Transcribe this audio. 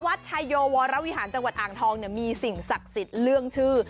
วัดชายโยวรวิหารจังหวัดอ่างทองเนี่ยมีสิ่งศักดิ์สิทธิ์เรื่องชื่อ